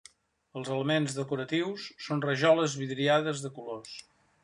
Els elements decoratius són rajoles vidriades de colors.